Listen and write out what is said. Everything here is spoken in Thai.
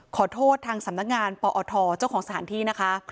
ขอโทษทางสำนักงานปอทเจ้าของสถานที่นะคะ